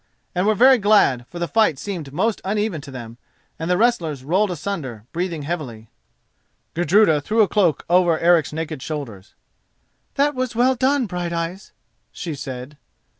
and were very glad, for the fight seemed most uneven to them, and the wrestlers rolled asunder, breathing heavily. Gudruda threw a cloak over Eric's naked shoulders. "That was well done, Brighteyes," she said.